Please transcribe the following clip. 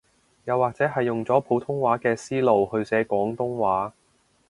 又或者係用咗普通話嘅思路去寫廣東話